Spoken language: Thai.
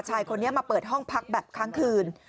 ชายคนนี้มาเปิดห้องพักแบบค้างคืน